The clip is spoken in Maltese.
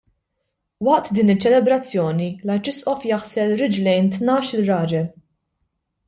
Waqt din iċ-ċelebrazzjoni l-Arċisqof jaħsel riġlejn tnax-il raġel.